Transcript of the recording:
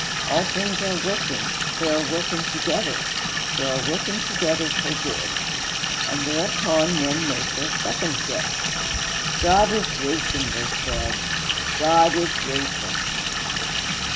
All things are working they are working together they are working together for good! And thereupon men made their second guess. 'God is Wisdom,' they said, '_God is Wisdom!